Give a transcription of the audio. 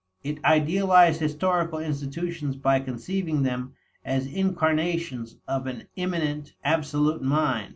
It idealized historical institutions by conceiving them as incarnations of an immanent absolute mind.